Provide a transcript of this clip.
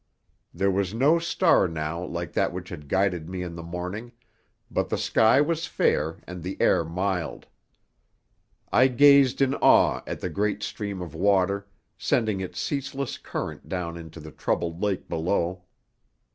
There was no star now like that which had guided me in the morning, but the sky was fair and the air mild. I gazed in awe at the great stream of water, sending its ceaseless current down into the troubled lake below.